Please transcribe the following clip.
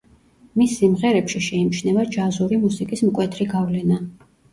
მის სიმღერებში შეიმჩნევა ჯაზური მუსიკის მკვეთრი გავლენა.